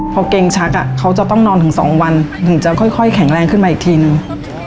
พอเกรงชักเขาจะต้องนอนถึง๒วันถึงจะค่อยแข็งแรงขึ้นมาอีกทีนึง